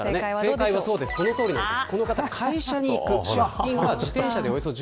正解はそのとおりです。